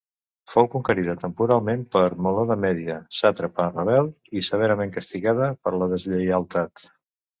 Fou conquerida temporalment per Moló de Mèdia, sàtrapa rebel, i severament castigada per la deslleialtat.